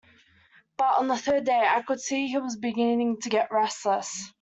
But on the third day I could see he was beginning to get restless.